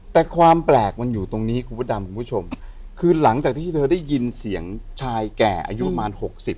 แต่ความแปลกมันอยู่ตรงนี้คุณพระดำคุณผู้ชมคือหลังจากที่เธอได้ยินเสียงชายแก่อายุประมาณหกสิบ